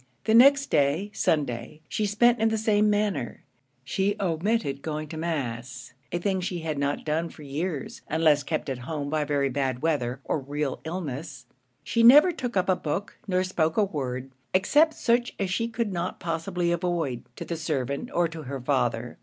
The next day, Sunday, she spent in the same manner; she omitted going to mass, a thing she had not done for years, unless kept at home by very bad weather, or real illness; she never took up a book, nor spoke a word, except such as she could not possibly avoid, to the servant or her father.